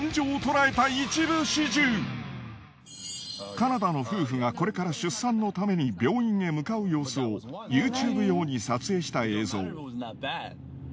カナダの夫婦がこれから出産のために病院へ向かうようすをＹｏｕＴｕｂｅ用に撮影した映像。